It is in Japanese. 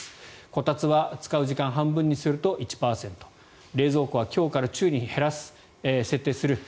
こたつは使う時間を半分にすると１％冷蔵庫は「強」から「中」に設定する。